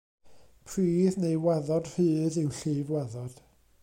Pridd neu waddod rhydd yw Llifwaddod.